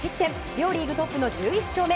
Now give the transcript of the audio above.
両リーグトップの１１勝目。